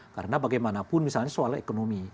karena bagaimanapun misalnya soal ekonomi